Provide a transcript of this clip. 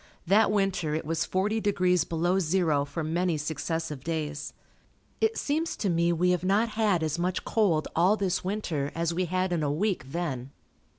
That winter it was forty degrees below zero for many successive days. It seems to me we have not had as much cold all this winter as we had in a week then.